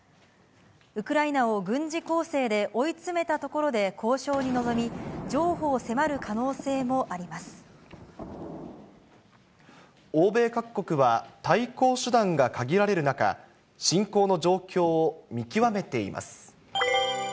ウクライナを軍事攻勢で追い詰めたところで、交渉に臨み、譲歩を欧米各国は、対抗手段が限られる中、侵攻の状況を見極めています。